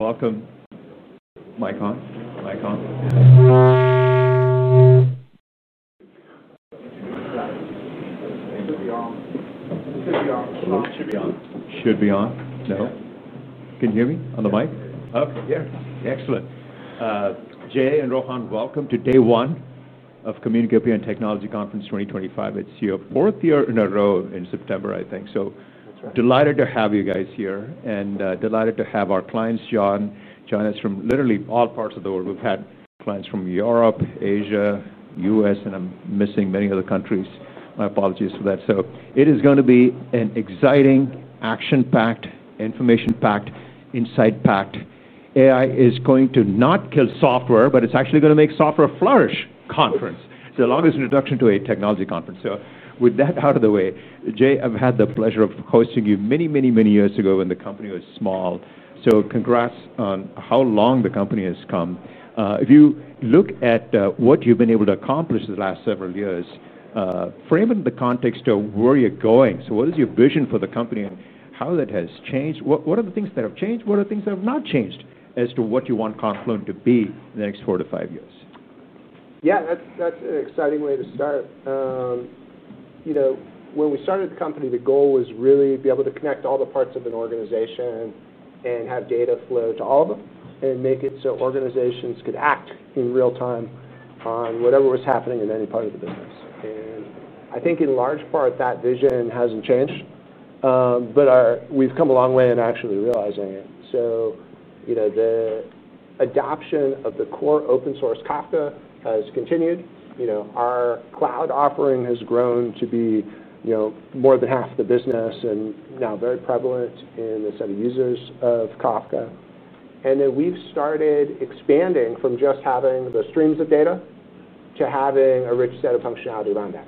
Welcome. Mic on? Mic on? Yeah, it should be on. Should be on? No? Can you hear me on the mic? Awesome. Yeah. Excellent. Jay and Rohan, welcome to day one of Communication and Technology Conference 2025. It's your fourth year in a row in September, I think. Delighted to have you guys here and delighted to have our clients join us from literally all parts of the world. We've had clients from Europe, Asia, the U.S., and I'm missing many other countries. My apologies for that. It is going to be an exciting, action-packed, information-packed, insight-packed conference. AI is going to not kill software, but it's actually going to make software flourish. It's the longest introduction to a technology conference. With that out of the way, Jay, I've had the pleasure of hosting you many, many, many years ago when the company was small. Congrats on how long the company has come. If you look at what you've been able to accomplish the last several years, frame it in the context of where you're going. What is your vision for the company and how that has changed? What are the things that have changed? What are the things that have not changed as to what you want Confluent to be in the next four to five years? Yeah, that's an exciting way to start. When we started the company, the goal was really to be able to connect all the parts of an organization and have data flow to all of them and make it so organizations could act in real time on whatever was happening in any part of the business. I think in large part that vision hasn't changed, but we've come a long way in actually realizing it. The adoption of the core open source Kafka has continued. Our cloud offering has grown to be more than half the business and now very prevalent in the set of users of Kafka. We've started expanding from just having the streams of data to having a rich set of functionality around that.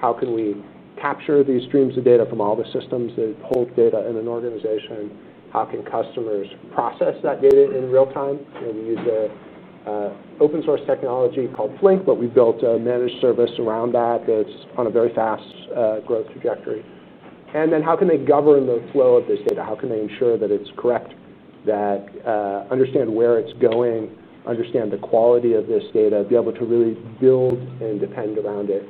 How can we capture these streams of data from all the systems that hold data in an organization? How can customers process that data in real time? We use an open source technology called Apache Flink, but we built a managed service around that that's on a very fast growth trajectory. How can they govern the flow of this data? How can they ensure that it's correct, that they understand where it's going, understand the quality of this data, be able to really build and depend around it?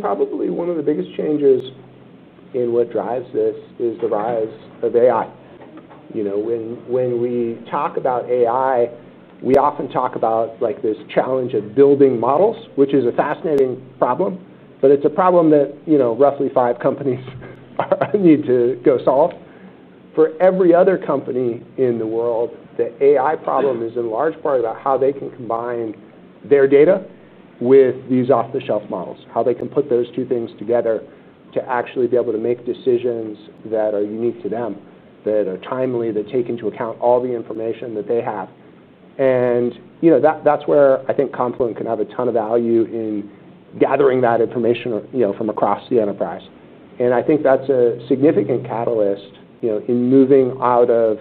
Probably one of the biggest changes in what drives this is the rise of AI. When we talk about AI, we often talk about this challenge of building models, which is a fascinating problem. It's a problem that roughly five companies need to go solve. For every other company in the world, the AI problem is in large part about how they can combine their data with these off-the-shelf models, how they can put those two things together to actually be able to make decisions that are unique to them, that are timely, that take into account all the information that they have. That's where I think Confluent can have a ton of value in gathering that information from across the enterprise. I think that's a significant catalyst in moving out of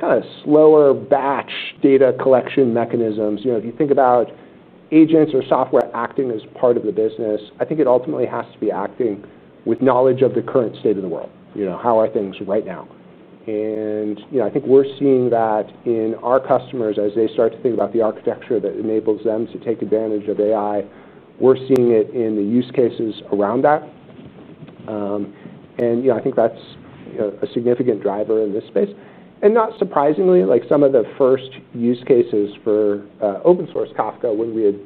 kind of slower batch data collection mechanisms. If you think about agents or software acting as part of the business, I think it ultimately has to be acting with knowledge of the current state of the world. How are things right now? I think we're seeing that in our customers as they start to think about the architecture that enables them to take advantage of AI. We're seeing it in the use cases around that. I think that's a significant driver in this space. Not surprisingly, some of the first use cases for open source Kafka, when we had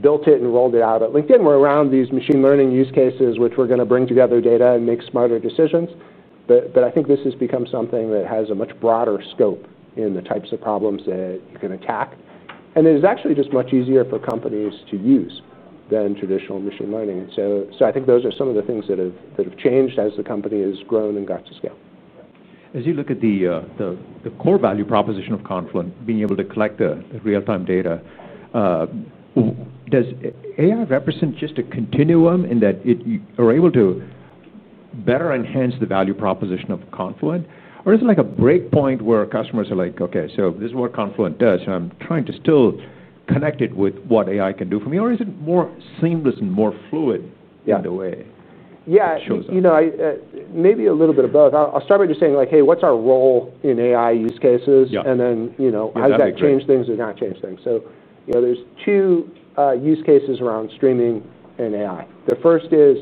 built it and rolled it out at LinkedIn, were around these machine learning use cases, which were going to bring together data and make smarter decisions. I think this has become something that has a much broader scope in the types of problems that you can attack. It is actually just much easier for companies to use than traditional machine learning. I think those are some of the things that have changed as the company has grown and got to scale. As you look at the core value proposition of Confluent, being able to collect the real-time data, does AI represent just a continuum in that you are able to better enhance the value proposition of Confluent? Is it like a break point where customers are like, okay, so this is what Confluent does, and I'm trying to still connect it with what AI can do for me, or is it more seamless and more fluid in the way? Yeah, you know, maybe a little bit of both. I'll start by just saying, like, hey, what's our role in AI use cases? And then, you know, has that changed things or not changed things? So, you know, there's two use cases around streaming and AI. The first is,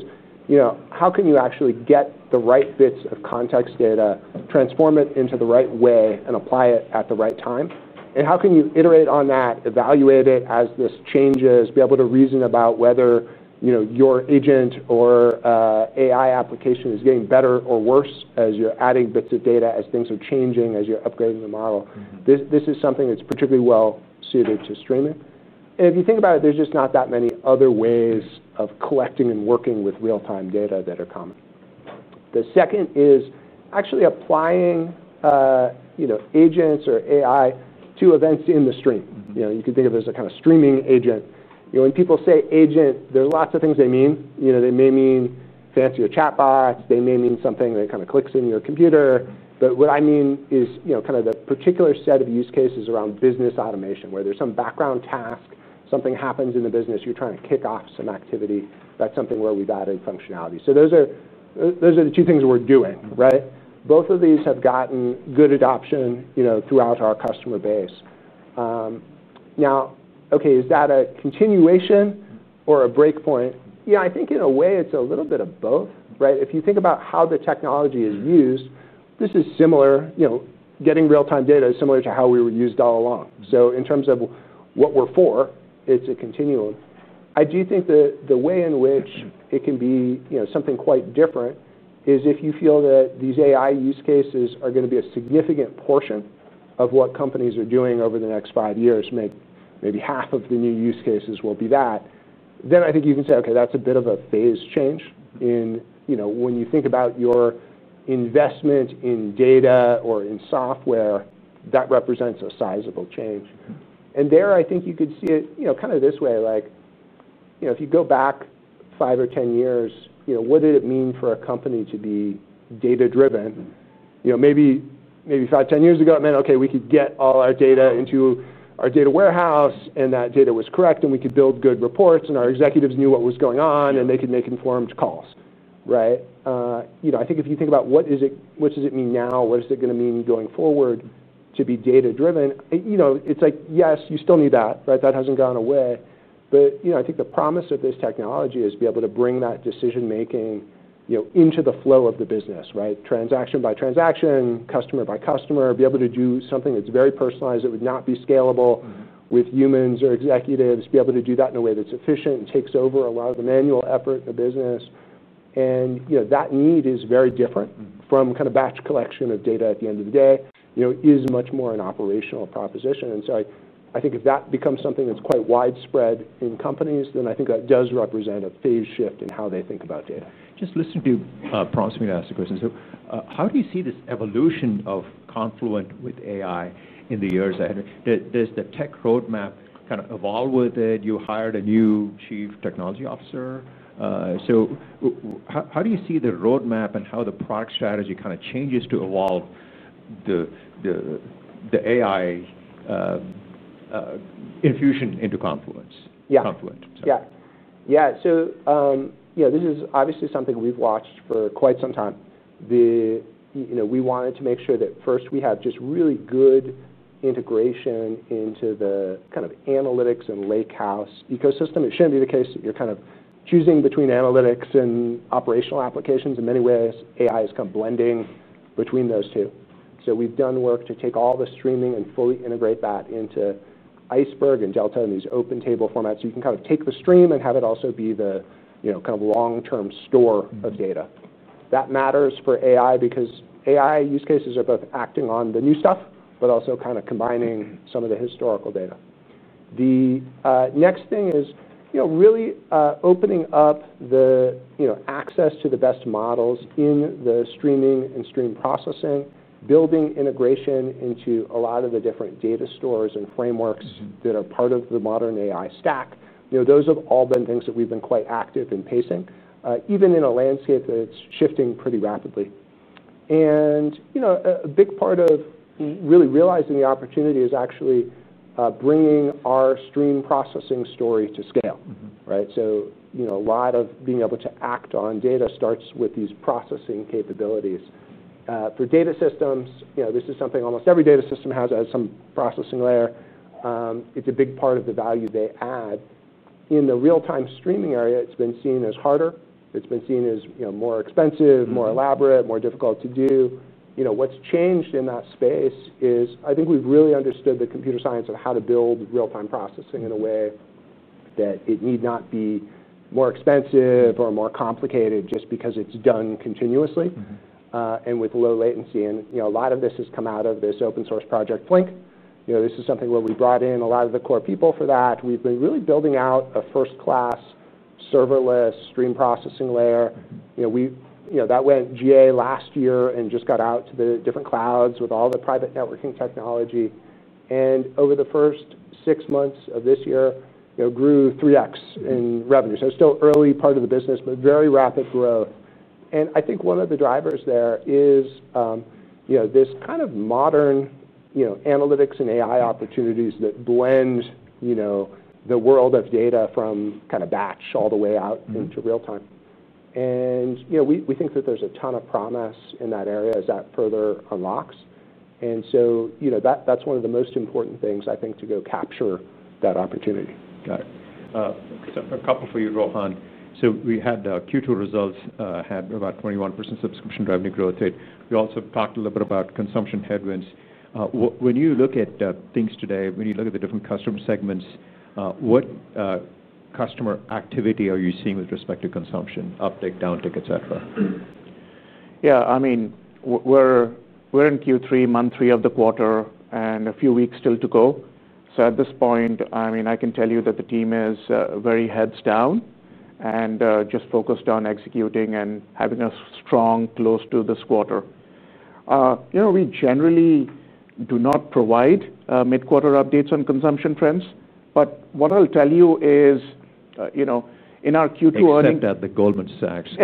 you know, how can you actually get the right bits of context data, transform it in the right way, and apply it at the right time? And how can you iterate on that, evaluate it as this changes, be able to reason about whether, you know, your agent or AI application is getting better or worse as you're adding bits of data, as things are changing, as you're upgrading the model. This is something that's particularly well suited to streaming. If you think about it, there's just not that many other ways of collecting and working with real-time data that are common. The second is actually applying, you know, agents or AI to events in the stream. You can think of it as a kind of streaming agent. When people say agent, there are lots of things they mean. They may mean fancier chatbots, they may mean something that kind of clicks in your computer. What I mean is, you know, kind of the particular set of use cases around business automation, where there's some background task, something happens in the business, you're trying to kick off some activity, that's something where we've added functionality. Those are the two things we're doing, right? Both of these have gotten good adoption throughout our customer base. Now, okay, is that a continuation or a break point? Yeah, I think in a way it's a little bit of both, right? If you think about how the technology is used, this is similar, you know, getting real-time data is similar to how we were used all along. In terms of what we're for, it's a continuum. I do think that the way in which it can be, you know, something quite different is if you feel that these AI use cases are going to be a significant portion of what companies are doing over the next five years, maybe half of the new use cases will be that. I think you can say, okay, that's a bit of a phased change in, you know, when you think about your investment in data or in software, that represents a sizable change. There I think you could see it, you know, kind of this way, like, you know, if you go back five or ten years, you know, what did it mean for a company to be data-driven? Maybe five, ten years ago it meant, okay, we could get all our data into our data warehouse and that data was correct and we could build good reports and our executives knew what was going on and they could make informed calls, right? I think if you think about what does it mean now, what is it going to mean going forward to be data-driven, it's like, yes, you still need that, right? That hasn't gone away. I think the promise of this technology is to be able to bring that decision-making into the flow of the business, right? Transaction by transaction, customer by customer, be able to do something that's very personalized, that would not be scalable with humans or executives, be able to do that in a way that's efficient and takes over a lot of the manual effort in the business. That need is very different from kind of batch collection of data at the end of the day. It is much more an operational proposition. I think if that becomes something that's quite widespread in companies, then I think that does represent a phased shift in how they think about data. Just listen to, promise me to ask the question. How do you see this evolution of Confluent with AI in the years ahead? Does the tech roadmap kind of evolve with it? You hired a new Chief Technology Officer. How do you see the roadmap and how the product strategy kind of changes to evolve the AI infusion into Confluent? Yeah, yeah, yeah. This is obviously something we've watched for quite some time. We wanted to make sure that first we had just really good integration into the kind of analytics and lakehouse ecosystem. It shouldn't be the case that you're kind of choosing between analytics and operational applications in many ways. AI is kind of blending between those two. We've done work to take all the streaming and fully integrate that into Iceberg and Delta and these open table formats. You can kind of take the stream and have it also be the long-term store of data. That matters for AI because AI use cases are both acting on the new stuff, but also kind of combining some of the historical data. The next thing is really opening up the access to the best models in the streaming and stream processing, building integration into a lot of the different data stores and frameworks that are part of the modern AI stack. Those have all been things that we've been quite active in pacing, even in a landscape that's shifting pretty rapidly. A big part of really realizing the opportunity is actually bringing our stream processing story to scale, right? A lot of being able to act on data starts with these processing capabilities. For data systems, this is something almost every data system has as some processing layer. It's a big part of the value they add. In the real-time streaming area, it's been seen as harder. It's been seen as more expensive, more elaborate, more difficult to do. What's changed in that space is I think we've really understood the computer science of how to build real-time processing in a way that it need not be more expensive or more complicated just because it's done continuously, and with low latency. A lot of this has come out of this open source project Flink. This is something where we brought in a lot of the core people for that. We've been really building out a first-class serverless stream processing layer. That went GA last year and just got out to the different clouds with all the private networking technology. Over the first six months of this year, it grew 3x in revenue. It's still early part of the business, but very rapid growth. I think one of the drivers there is this kind of modern analytics and AI opportunities that blend the world of data from batch all the way out into real-time. We think that there's a ton of promise in that area as that further unlocks. That's one of the most important things I think to go capture that opportunity. Got it. A couple for you, Rohan. We had Q2 results, had about 21% subscription revenue growth rate. We also talked a little bit about consumption headwinds. When you look at things today, when you look at the different customer segments, what customer activity are you seeing with respect to consumption, uptake, downtake, et cetera? Yeah, I mean, we're in Q3, month three of the quarter, and a few weeks still to go. At this point, I can tell you that the team is very heads down and just focused on executing and having a strong close to this quarter. We generally do not provide mid-quarter updates on consumption trends, but what I'll tell you is, in our Q2 earnings. Except at Goldman Sachs. Safe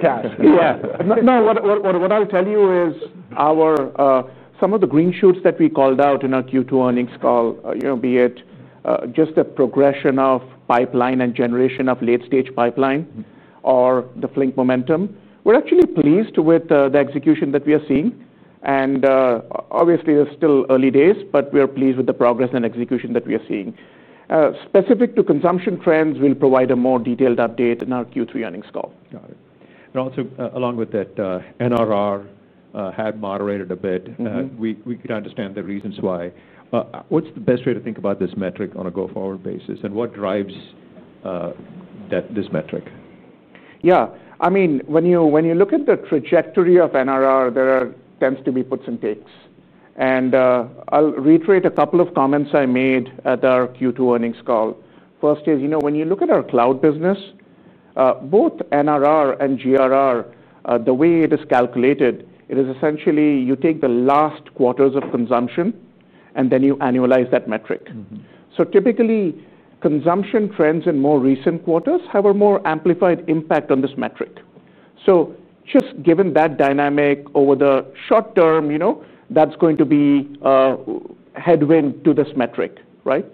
cash. What I'll tell you is some of the green shoots that we called out in our Q2 earnings call, you know, be it just a progression of pipeline and generation of late-stage pipeline or the Flink momentum. We're actually pleased with the execution that we are seeing. Obviously, it's still early days, but we are pleased with the progress and execution that we are seeing. Specific to consumption trends, we'll provide a more detailed update in our Q3 earnings call. Got it. Also, along with that, NRR had moderated a bit. We can understand the reasons why. What's the best way to think about this metric on a go-forward basis? What drives this metric? Yeah, I mean, when you look at the trajectory of NRR, there tends to be puts and takes. I'll reiterate a couple of comments I made at our Q2 earnings call. First is, you know, when you look at our cloud business, both NRR and GRR, the way it is calculated, it is essentially you take the last quarters of consumption and then you annualize that metric. Typically, consumption trends in more recent quarters have a more amplified impact on this metric. Just given that dynamic over the short term, you know, that's going to be a headwind to this metric, right?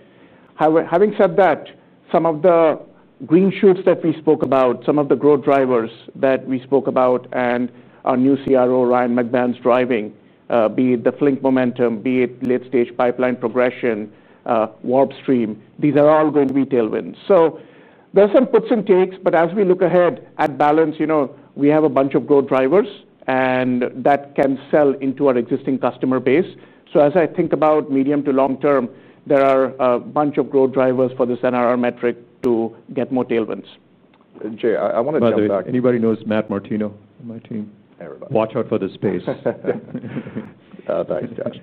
However, having said that, some of the green shoots that we spoke about, some of the growth drivers that we spoke about, and our new CRO, Ryan McMahon, is driving, be it the Flink momentum, be it late-stage pipeline progression, warp stream, these are all going to be tailwinds. There are some puts and takes, but as we look ahead at balance, you know, we have a bunch of growth drivers and that can sell into our existing customer base. As I think about medium to long term, there are a bunch of growth drivers for this NRR metric to get more tailwinds. Jay, I want to jump back. Anybody knows Matt Martino on my team? Everybody, watch out for this space. Thanks, Josh.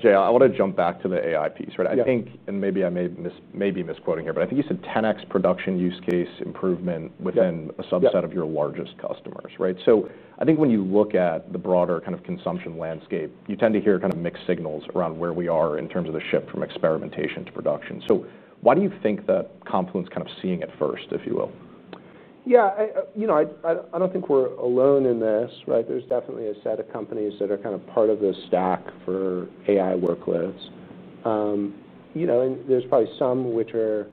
Jay, I want to jump back to the AI piece, right? I think, and maybe I may be misquoting here, but I think you said 10x production use case improvement within a subset of your largest customers, right? I think when you look at the broader kind of consumption landscape, you tend to hear kind of mixed signals around where we are in terms of the shift from experimentation to production. Why do you think that Confluent is kind of seeing it first, if you will? Yeah, you know, I don't think we're alone in this, right? There's definitely a set of companies that are kind of part of the stack for AI workloads. You know, and there's probably some which are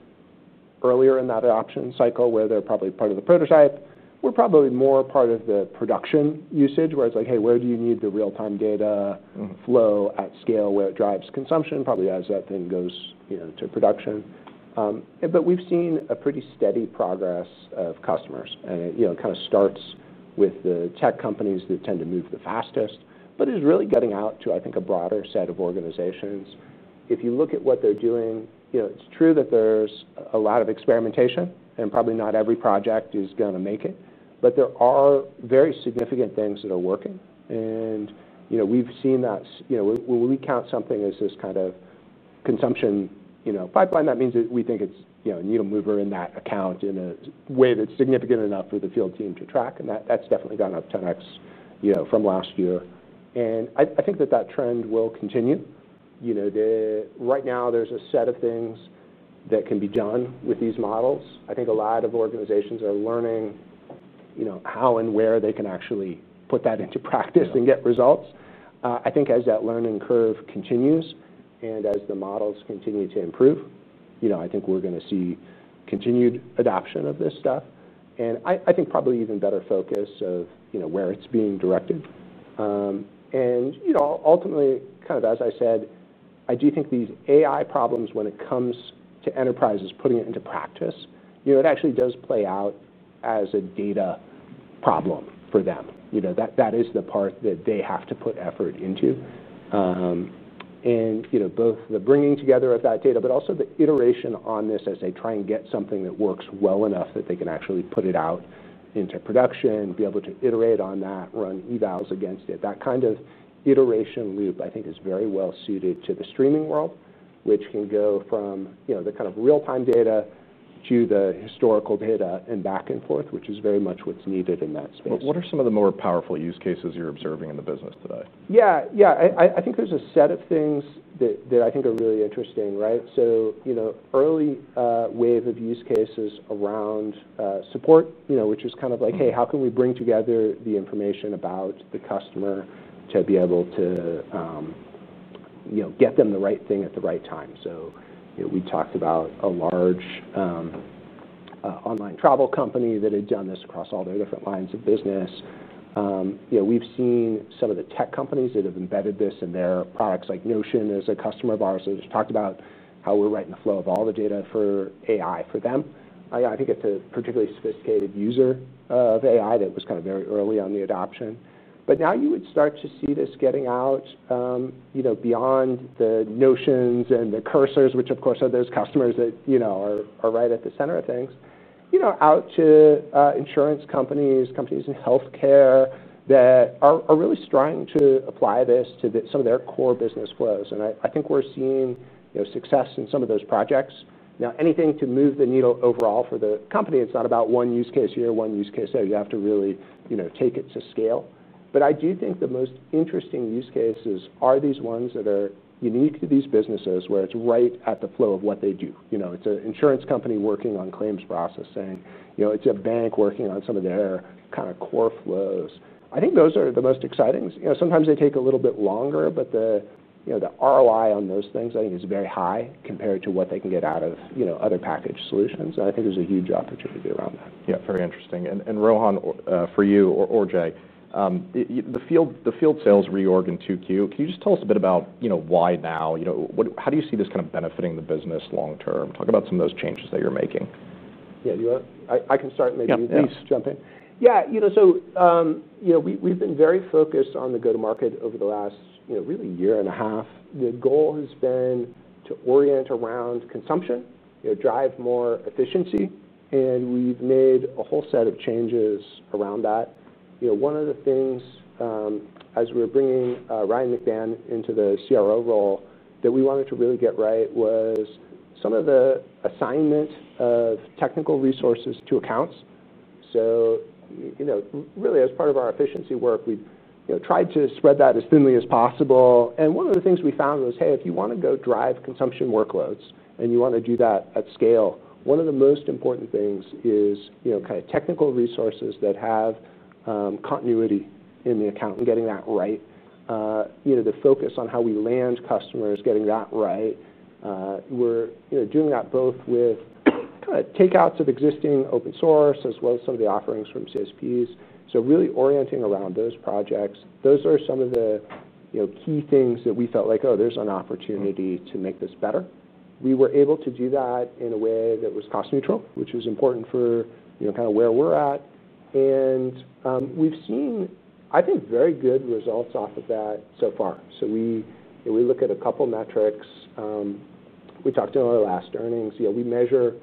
earlier in that adoption cycle where they're probably part of the prototype. We're probably more part of the production usage where it's like, hey, where do you need the real-time data flow at scale where it drives consumption? Probably as that thing goes to production. We've seen a pretty steady progress of customers. It kind of starts with the tech companies that tend to move the fastest, but it's really getting out to, I think, a broader set of organizations. If you look at what they're doing, it's true that there's a lot of experimentation and probably not every project is going to make it, but there are very significant things that are working. We've seen that when we count something as this kind of consumption pipeline, that means that we think it's a needle mover in that account in a way that's significant enough for the field team to track. That's definitely gone up 10x from last year. I think that trend will continue. Right now there's a set of things that can be done with these models. I think a lot of organizations are learning how and where they can actually put that into practice and get results. I think as that learning curve continues and as the models continue to improve, we're going to see continued adoption of this stuff. I think probably even better focus of where it's being directed. Ultimately, kind of as I said, I do think these AI problems, when it comes to enterprises putting it into practice, it actually does play out as a data problem for them. That is the part that they have to put effort into. Both the bringing together of that data, but also the iteration on this as they try and get something that works well enough that they can actually put it out into production, be able to iterate on that, run evals against it. That kind of iteration loop, I think, is very well suited to the streaming world, which can go from the kind of real-time data to the historical data and back and forth, which is very much what's needed in that space. What are some of the more powerful use cases you're observing in the business today? Yeah, I think there's a set of things that I think are really interesting, right? Early wave of use cases around support, which is kind of like, hey, how can we bring together the information about the customer to be able to get them the right thing at the right time? We talked about a large online travel company that had done this across all their different lines of business. We've seen some of the tech companies that have embedded this in their products, like Notion as a customer of ours, and it's talked about how we're writing the flow of all the data for AI for them. I think it's a particularly sophisticated user of AI that was very early on the adoption. Now you would start to see this getting out beyond the Notions and the cursors, which of course are those customers that are right at the center of things, out to insurance companies, companies in healthcare that are really starting to apply this to some of their core business flows. I think we're seeing success in some of those projects. Now, anything to move the needle overall for the company, it's not about one use case here, one use case there. You have to really take it to scale. I do think the most interesting use cases are these ones that are unique to these businesses where it's right at the flow of what they do. It's an insurance company working on claims processing. It's a bank working on some of their core flows. I think those are the most exciting. Sometimes they take a little bit longer, but the ROI on those things I think is very high compared to what they can get out of other packaged solutions. I think there's a huge opportunity to be around that. Yeah, very interesting. Rohan, for you or Jay, the field sales reorganization in 2Q, can you just tell us a bit about, you know, why now? How do you see this kind of benefiting the business long term? Talk about some of those changes that you're making. Yeah, do you want? I can start and maybe at least jump in. Yeah, you know, we've been very focused on the go to market over the last, you know, really year and a half. The goal has been to orient around consumption, drive more efficiency. We've made a whole set of changes around that. One of the things, as we were bringing Ryan McMahon into the CRO role that we wanted to really get right was some of the assignment of technical resources to accounts. Really as part of our efficiency work, we tried to spread that as thinly as possible. One of the things we found was, hey, if you want to go drive consumption workloads and you want to do that at scale, one of the most important things is technical resources that have continuity in the account and getting that right. The focus on how we land customers, getting that right. We're doing that both with takeouts of existing open source as well as some of the offerings from CSPs. Really orienting around those projects. Those are some of the key things that we felt like, oh, there's an opportunity to make this better. We were able to do that in a way that was cost neutral, which was important for where we're at. We've seen, I think, very good results off of that so far. We look at a couple metrics. We talked in our last earnings, we measure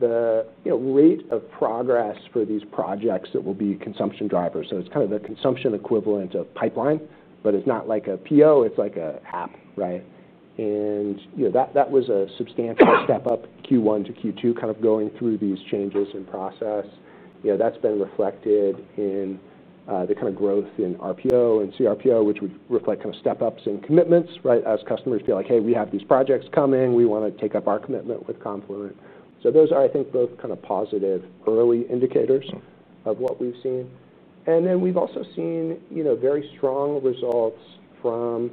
the rate of progress for these projects that will be consumption drivers. It's kind of the consumption equivalent of pipeline, but it's not like a PO, it's like an app, right? That was a substantial step up Q1 to Q2, going through these changes in process. That's been reflected in the kind of growth in RPO and CRPO, which would reflect step ups in commitments, right? As customers feel like, hey, we have these projects coming, we want to take up our commitment with Confluent. Those are, I think, both positive early indicators of what we've seen. We've also seen very strong results from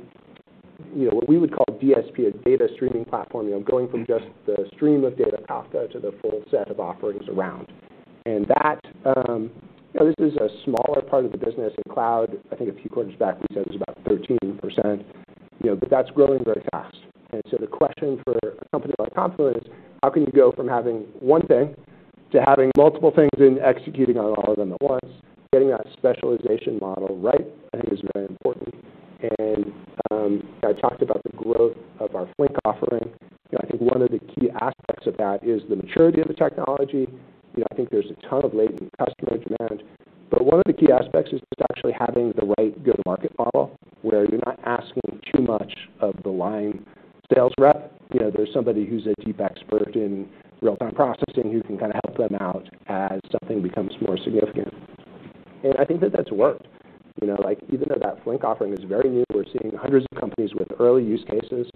what we would call DSP, a Data Streaming Platform, going from just the stream of data Kafka to the full set of offerings around. This is a smaller part of the business. At cloud, I think a few quarters back, we said it was about 13%, but that's growing very fast. The question for a company like Confluent is, how can you go from having one thing to having multiple things and executing on all of them at once? Getting that specialization model right, I think, is very important. I talked about the growth of our Flink offering. I think one of the key aspects of that is the maturity of the technology. I think there's a ton of latent customer demand, but one of the key aspects is actually having the right go-to-market model where you're not asking too much of the line sales rep. There's somebody who's a deep expert in real-time processing who can kind of help them out as something becomes more significant. I think that that's worked. Even though that Flink offering is very new, we're seeing hundreds of companies with early use cases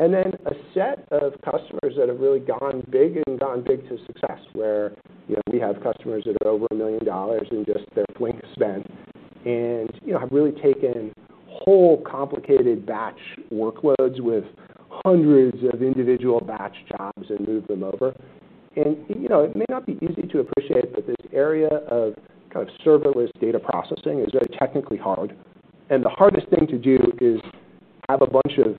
and then a set of customers that have really gone big and gone big to success where we have customers that are over $1 million in just their Flink spend and have really taken whole complicated batch workloads with hundreds of individual batch jobs and moved them over. It may not be easy to appreciate, but this area of kind of serverless data processing is very technically hard. The hardest thing to do is have a bunch of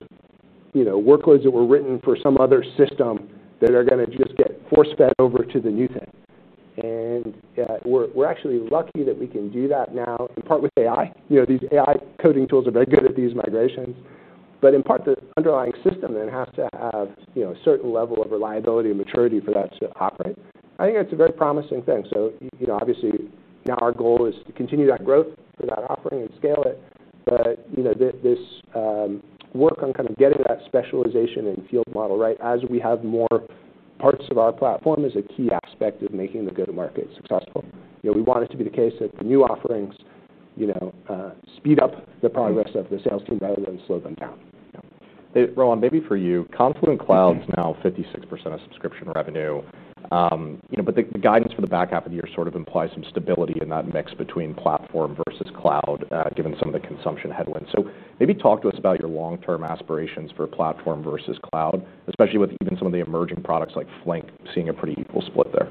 workloads that were written for some other system that are going to just get force fed over to the new thing. We're actually lucky that we can do that now in part with AI. These AI coding tools are very good at these migrations, but in part, the underlying system then has to have a certain level of reliability and maturity for that to operate. I think that's a very promising thing. Obviously now our goal is to continue that growth for that offering and scale it. This work on kind of getting that specialization and field model right as we have more parts of our platform is a key aspect of making the go-to-market successful. We want it to be the case that new offerings speed up the progress of the sales team rather than slow them down. Rohan, maybe for you, Confluent Cloud is now 56% of subscription revenue. You know, but the guidance for the back half of the year sort of implies some stability in that mix between platform versus cloud, given some of the consumption headwinds. Maybe talk to us about your long-term aspirations for platform versus cloud, especially with even some of the emerging products like Flink seeing a pretty equal split there.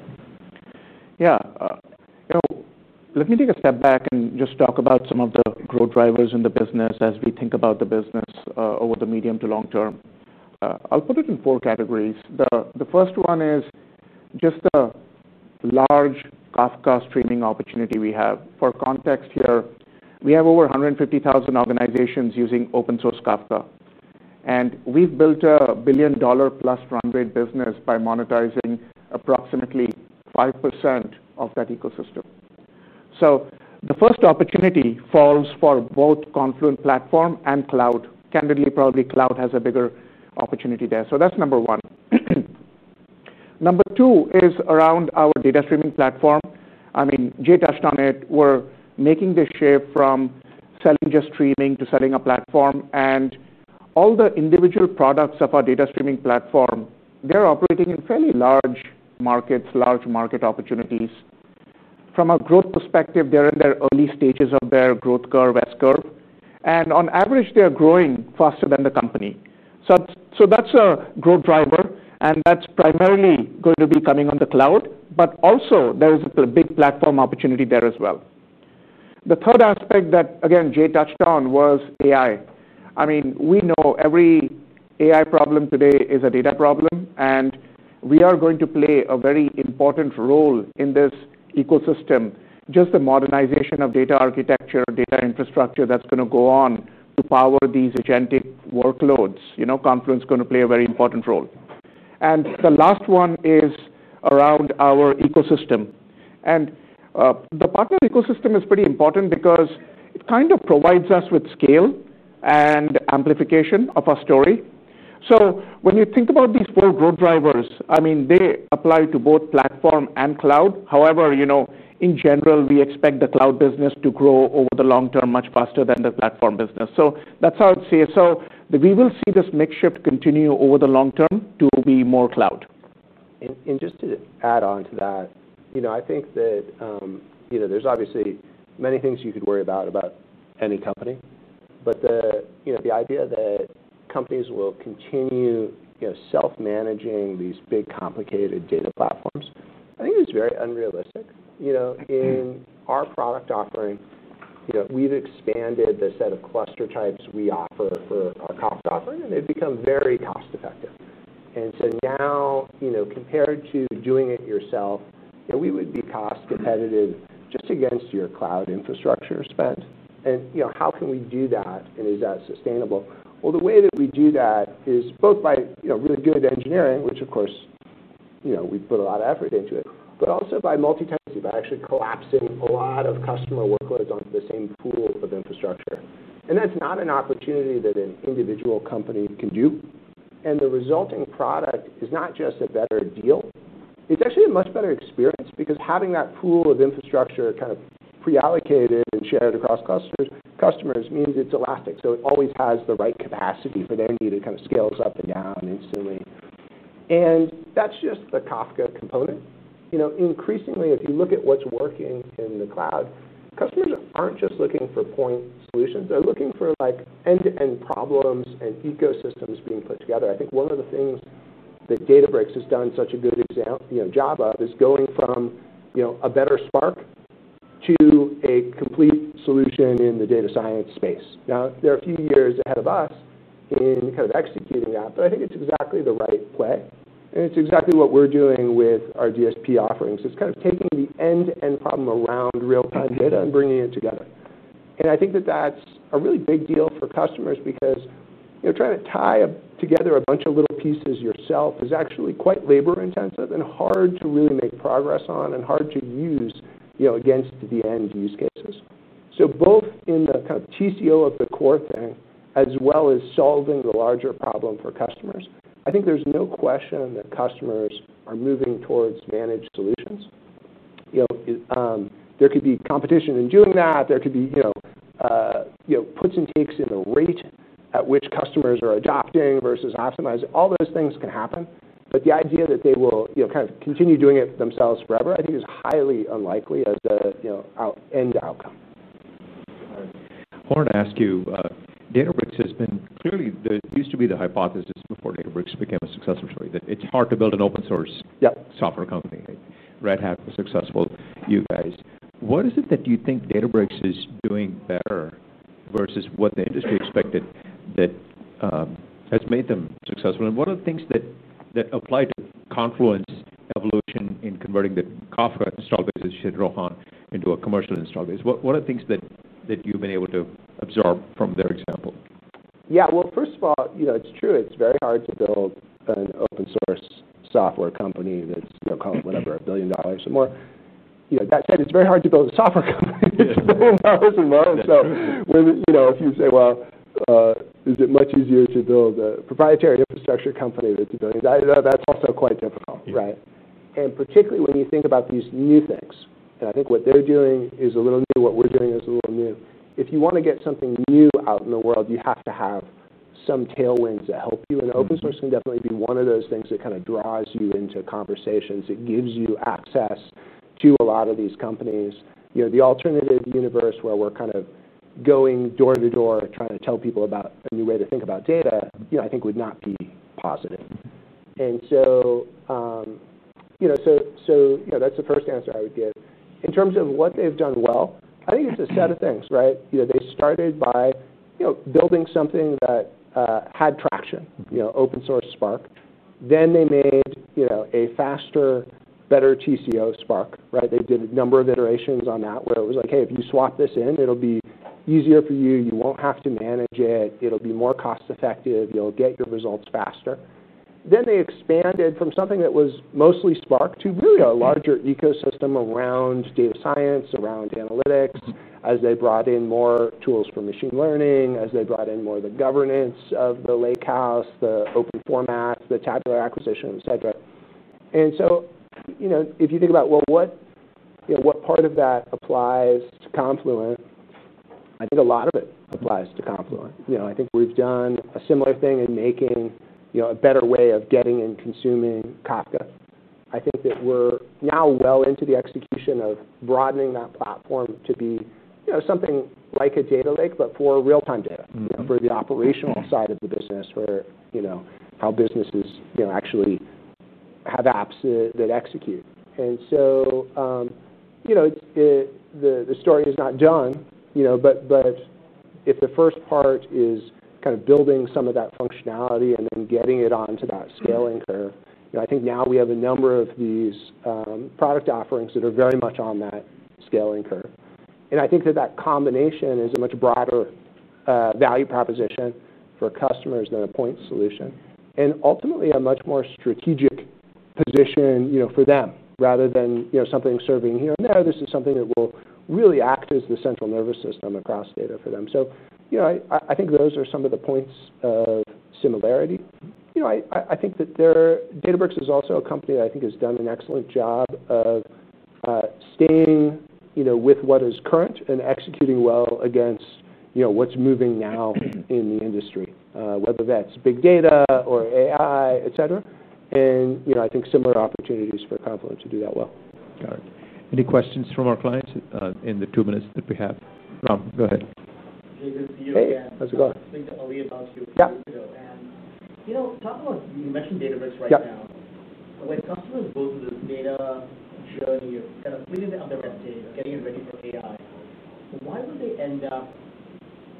Yeah, you know, let me take a step back and just talk about some of the growth drivers in the business as we think about the business over the medium to long term. I'll put it in four categories. The first one is just the large Kafka streaming opportunity we have. For context here, we have over 150,000 organizations using open source Kafka. We've built a billion-dollar plus run rate business by monetizing approximately 5% of that ecosystem. The first opportunity falls for both Confluent platform and cloud. Candidly, probably cloud has a bigger opportunity there. That's number one. Number two is around our Data Streaming Platform. I mean, Jay touched on it. We're making this shift from selling just streaming to selling a platform. All the individual products of our Data Streaming Platform, they're operating in fairly large markets, large market opportunities. From a growth perspective, they're in their early stages of their growth curve, S curve. On average, they're growing faster than the company. That's a growth driver. That's primarily going to be coming on the cloud, but also, there is a big platform opportunity there as well. The third aspect that, again, Jay touched on was AI. I mean, we know every AI problem today is a data problem. We are going to play a very important role in this ecosystem. Just the modernization of data architecture, data infrastructure that's going to go on to power these agentic workloads. You know, Confluent is going to play a very important role. The last one is around our ecosystem. The partner ecosystem is pretty important because it kind of provides us with scale and amplification of our story. When you think about these four growth drivers, they apply to both platform and cloud. However, in general, we expect the cloud business to grow over the long term much faster than the platform business. That's how I'd say it. We will see this mix shift continue over the long term to be more cloud. Just to add on to that, I think that there's obviously many things you could worry about about any company. The idea that companies will continue self-managing these big complicated data platforms, I think it's very unrealistic. In our product offering, we've expanded the set of cluster types we offer for our cost offering, and they've become very cost-effective. Now, compared to doing it yourself, we would be cost-competitive just against your cloud infrastructure spend. How can we do that? Is that sustainable? The way that we do that is both by really good engineering, which of course we put a lot of effort into, but also by multi-tenancy, by actually collapsing a lot of customer workloads on the same pool of infrastructure. That's not an opportunity that an individual company can do. The resulting product is not just a better deal. It's actually a much better experience because having that pool of infrastructure kind of pre-allocated and shared across customers means it's elastic. It always has the right capacity for their need to scale up and down instantly. That's just the Kafka component. Increasingly, if you look at what's working in the cloud, customers aren't just looking for point solutions. They're looking for end-to-end problems and ecosystems being put together. I think one of the things that Databricks has done such a good example job of is going from a better Spark to a complete solution in the data science space. There are a few years ahead of us in kind of executing that, but I think it's exactly the right way. It's exactly what we're doing with our Data Streaming Platform offerings. It's kind of taking the end-to-end problem around real-time data and bringing it together. I think that's a really big deal for customers because trying to tie together a bunch of little pieces yourself is actually quite labor-intensive and hard to really make progress on and hard to use against the end use cases. Both in the kind of TCO of the core thing, as well as solving the larger problem for customers, I think there's no question that customers are moving towards managed solutions. There could be competition in doing that. There could be puts and takes in a rate at which customers are adopting versus optimizing. All those things can happen. The idea that they will kind of continue doing it themselves forever, I think is highly unlikely as the end outcome. I wanted to ask you, Databricks has been clearly, there used to be the hypothesis before Databricks became a success story, that it's hard to build an open source software company. Red Hat was successful, you guys. What is it that you think Databricks is doing better versus what the industry expected that has made them successful? What are the things that applied Confluent's evolution in converting the Kafka install base, you said, Rohan, into a commercial install base? What are the things that you've been able to absorb from their example? Yeah, first of all, you know, it's true, it's very hard to build an open source software company that's, call it whatever, a billion dollars or more. That said, it's very hard to build a software company that's a billion dollars or more. If you say, is it much easier to build a proprietary infrastructure company that's a billion dollars? I don't know, that's also quite difficult, right? Particularly when you think about these new things, and I think what they're doing is a little new, what we're doing is a little new. If you want to get something new out in the world, you have to have some tailwinds that help you. Open source can definitely be one of those things that kind of draws you into conversations. It gives you access to a lot of these companies. The alternative universe where we're kind of going door to door trying to tell people about a new way to think about data, I think would not be positive. That's the first answer I would give. In terms of what they've done well, I think it's a set of things, right? They started by building something that had traction, open source Spark. Then they made a faster, better TCO Spark, right? They did a number of iterations on that where it was like, hey, if you swap this in, it'll be easier for you. You won't have to manage it. It'll be more cost-effective. You'll get your results faster. They expanded from something that was mostly Spark to really a larger ecosystem around data science, around analytics, as they brought in more tools for machine learning, as they brought in more of the governance of the lakehouse, the open formats, the tabular acquisition, et cetera. If you think about what part of that applies to Confluent, I think a lot of it applies to Confluent. I think we've done a similar thing in making a better way of getting and consuming Kafka. I think that we're now well into the execution of broadening that platform to be something like a data lake, but for real-time data. We're the operational side of the business where how businesses are going to actually have apps that execute. The story is not done, but if the first part is kind of building some of that functionality and then getting it onto that scaling curve, I think now we have a number of these product offerings that are very much on that scaling curve. I think that combination is a much broader value proposition for customers than a point solution and ultimately a much more strategic position for them, rather than something serving here and there. This is something that will really act as the central nervous system across data for them. I think those are some of the points of similarity. I think that Databricks is also a company that has done an excellent job of staying with what is current and executing well against what's moving now in the industry, whether that's big data or AI, et cetera. I think similar opportunities for Confluent to do that well. Got it. Any questions from our clients in the two minutes that we have? Rohan, go ahead. Hey, good to see you. Hey, yeah. How's it going? I think that we're about to go. You mentioned Databricks right now. When customers go to the data shared with you, kind of feeling that they're updated or getting ready for data, why don't they end up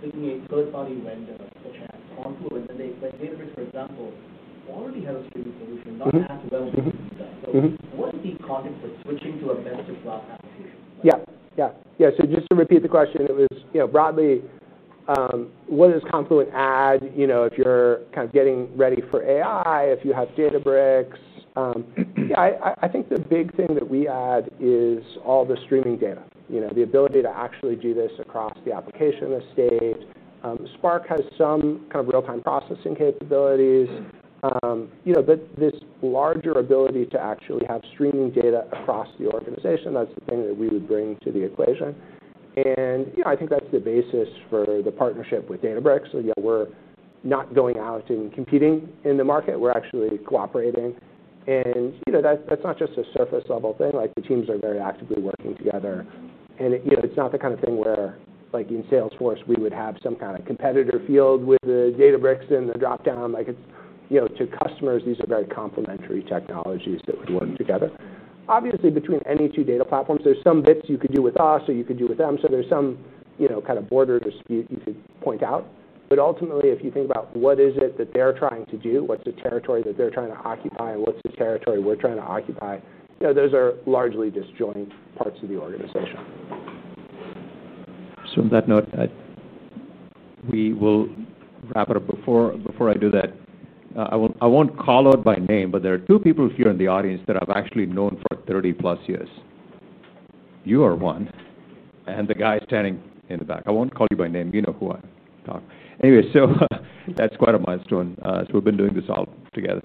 picking a third-party vendor or trying Confluent? They expect Databricks, for example, already has a stupid solution and doesn't have to go there. What are the cons of switching to a nested cloud? Yeah, yeah, yeah. Just to repeat the question, it was, you know, broadly, what does Confluent add, you know, if you're kind of getting ready for AI, if you have Databricks? I think the big thing that we add is all the streaming data, the ability to actually do this across the application estate. Spark has some kind of real-time processing capabilities, but this larger ability to actually have streaming data across the organization, that's the thing that we would bring to the equation. I think that's the basis for the partnership with Databricks. We're not going out and competing in the market. We're actually cooperating. That's not just a surface-level thing. The teams are very actively working together. It's not the kind of thing where like in Salesforce, we would have some kind of competitor field with the Databricks in the dropdown. To customers, these are very complementary technologies that would work together. Obviously, between any two data platforms, there's some bits you could do with us or you could do with them. There's some kind of border dispute you could point out. Ultimately, if you think about what is it that they're trying to do, what's the territory that they're trying to occupy, and what's the territory we're trying to occupy, those are largely just joint parts of the organization. On that note, we will wrap it up. Before I do that, I won't call out by name, but there are two people here in the audience that I've actually known for 30+ years. You are one, and the guy standing in the back. I won't call you by name. You know who I am. Anyway, that's quite a milestone. We've been doing this all together.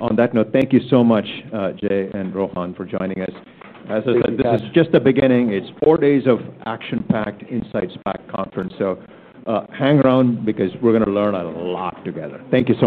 On that note, thank you so much, Jay and Rohan, for joining us. As I said, this is just the beginning. It's four days of action-packed, insights-packed conference. Hang around because we're going to learn a lot together. Thank you so much.